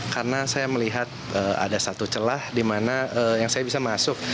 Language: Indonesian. karena saya melihat ada satu celah di mana saya bisa masuk